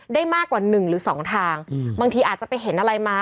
ได้มากกว่าหนึ่งหรือสองทางบางทีอาจจะไปเห็นอะไรมา